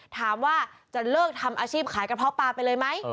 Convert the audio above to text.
ถามว่าจะเลิกทำอาชีพขายกระเพาะปลาไปเลยไหม